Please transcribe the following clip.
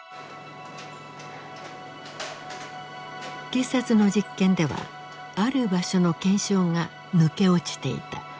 警察の実験ではある場所の検証が抜け落ちていた。